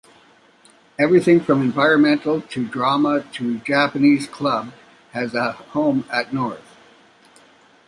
Everything from Environmental, to Drama, to Japanese club has a home at north.